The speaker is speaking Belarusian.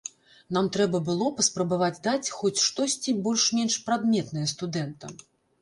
Нам трэба было паспрабаваць даць хоць штосьці больш-менш прадметнае студэнтам.